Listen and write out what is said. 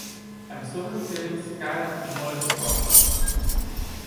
— Арестованите се каят и молят за прошка.